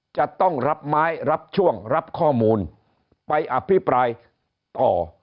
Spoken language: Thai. จะต้องรับไม้รับช่วงรับข้อมูลไปอภิปรายต่อ